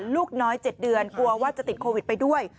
ลูกน้อย๗เดือนกลัวว่าจะติดโควิดไปด้วย